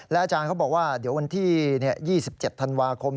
อาจารย์เขาบอกว่าเดี๋ยววันที่๒๗ธันวาคม